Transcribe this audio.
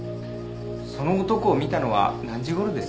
その男を見たのは何時頃ですか？